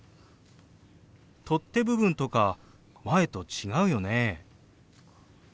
取っ手部分とか前と違うよね？